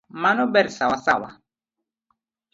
Mano ber sawasawa.